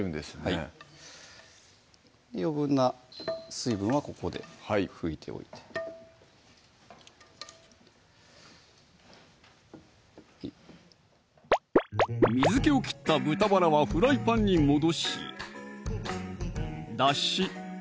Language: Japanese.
はい余分な水分はここで拭いておいて水気を切った豚バラはフライパンに戻しだし